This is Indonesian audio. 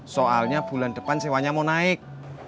soalnya bulan depan sewanya mau naik